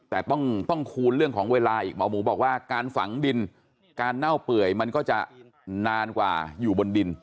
แต่ต้องคูณเรื่องของเวลาอีกหมอหมูบอกว่าการฝังดินการเน่าเปื่อยมันก็จะนานกว่าอยู่บนดิน